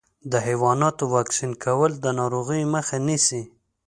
د حيواناتو واکسین کول د ناروغیو مخه نیسي.